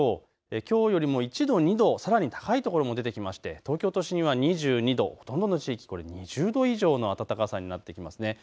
きょうよりも１度、２度さらに高い所も出てきまして東京都心は２２度、ほとんどの地域２０度以上の暖かさになってきますね。